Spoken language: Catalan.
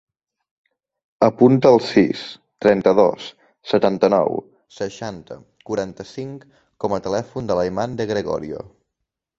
Apunta el sis, trenta-dos, setanta-nou, seixanta, quaranta-cinc com a telèfon de l'Ayman De Gregorio.